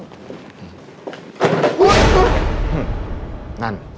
อุ๊ยนั่น